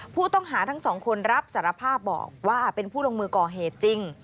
ผู้ต้องหาทั้งสองคนรับสารภาพบอกว่าเป็นผู้ลงมือก่อเหตุจริง